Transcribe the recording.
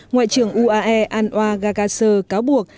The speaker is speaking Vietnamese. ngoại trưởng uae anwar gagasar cáo buộc